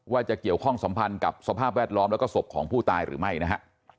ว่าจะเกี่ยวข้องสัมพันธ์กับสภาพแวดล้อมแล้วก็ศพของผู้ตายหรือไม่นะฮะ